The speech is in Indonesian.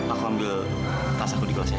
aku ambil tas aku di kelasnya